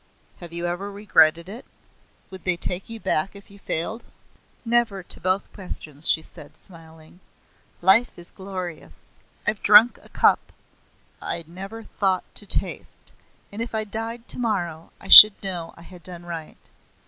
"Have you ever regretted it? Would they take you back if you failed?" "Never, to both questions," she said, smiling. "Life is glorious. I've drunk of a cup I never thought to taste; and if I died tomorrow I should know I had done right.